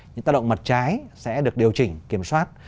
những tác động mặt trái sẽ được điều chỉnh kiểm soát